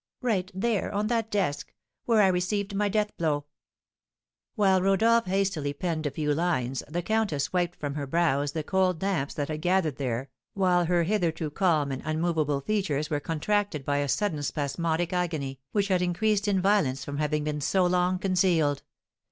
"Write there on that desk where I received my death blow!" While Rodolph hastily penned a few lines, the countess wiped from her brows the cold damps that had gathered there, while her hitherto calm and unmovable features were contracted by a sudden spasmodic agony, which had increased in violence from having been so long concealed.